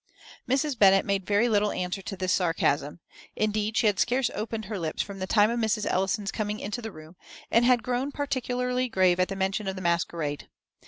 Mrs. Bennet made very little answer to this sarcasm. Indeed, she had scarce opened her lips from the time of Mrs. Ellison's coming into the room, and had grown particularly grave at the mention of the masquerade.